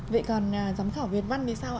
vậy còn giám khảo việt văn thì sao ạ